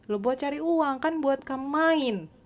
lo buat cari uang kan buat kamu main